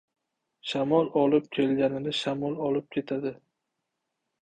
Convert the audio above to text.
• Shamol olib kelganini shamol olib ketadi.